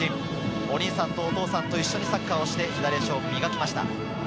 お兄さんとお父さんと一緒にサッカーをして左足を磨きました。